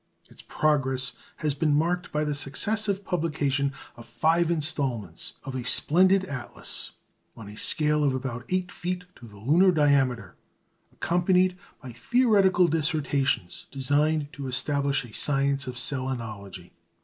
Its progress has been marked by the successive publication of five instalments of a splendid atlas, on a scale of about eight feet to the lunar diameter, accompanied by theoretical dissertations, designed to establish a science of "selenology."